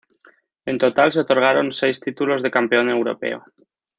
En total se otorgaron seis títulos de campeón europeo.